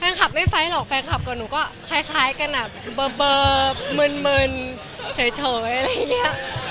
แฟนคลับไม่ไฟล์หรอกแฟนคลับกับหนูก็คล้ายกันอะเบอร์เบอร์เมินเฉยอะไรอย่างเนี้ย